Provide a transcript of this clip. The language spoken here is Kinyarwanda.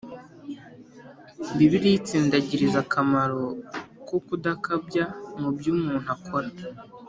Bibiliya itsindagiriza akamaro ko kudakabya mu byo umuntu akora